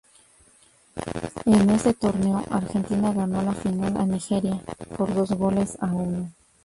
En ese torneo Argentina ganó la final a Nigeria por dos goles a uno.